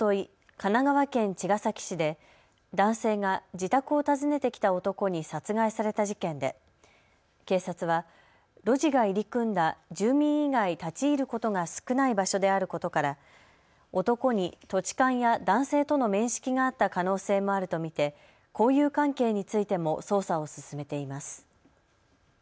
神奈川県茅ヶ崎市で男性が自宅を訪ねてきた男に殺害された事件で警察は路地が入り組んだ住民以外立ち入ることが少ない場所であることから男に土地勘や男性との面識があった可能性もあると見て交友関係についても捜査を進めています。